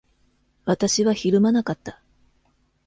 私はひるまなかった。